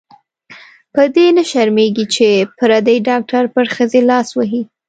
په دې نه شرمېږې چې پردې ډاکټر پر ښځې لاس وهي.